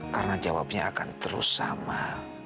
karena jawabnya akan terus sama